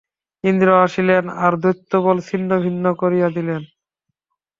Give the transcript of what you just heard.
ইন্দ্র আসিলেন, আর দৈত্যবল ছিন্ন-ভিন্ন করিয়া দিলেন।